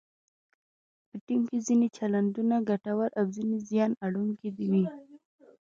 په ټیم کې ځینې چلندونه ګټور او ځینې زیان اړونکي وي.